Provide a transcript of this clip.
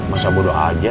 masa bodoh aja